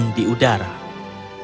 hari ini kita sarana akan olembay "